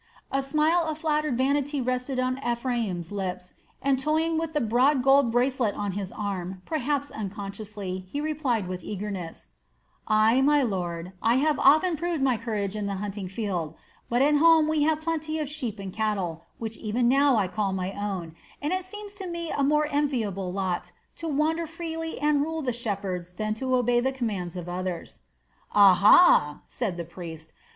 A smile of flattered vanity rested on Ephraim's lips, and toying with the broad gold bracelet on his arm, perhaps unconsciously, he replied with eagerness: "Ay, my lord, I have often proved my courage in the hunting field; but at home we have plenty of sheep and cattle, which even now I call my own, and it seems to me a more enviable lot to wander freely and rule the shepherds than to obey the commands of others." "Aha!" said the priest.